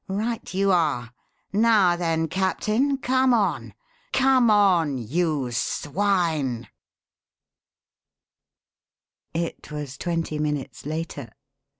Right you are. Now then, Captain, come on. Come on you swine!" It was twenty minutes later.